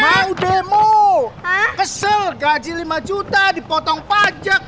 mau demo hah kesel gaji lima juta dipotong pajak